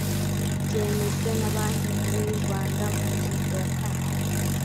byemejwe na banki nkuru y’u rwanda mu ngingo ya kane